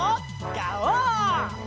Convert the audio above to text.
ガオー！